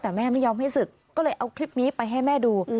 แต่แม่ไม่ยอมให้ศึกก็เลยเอาคลิปนี้ไปให้แม่ดู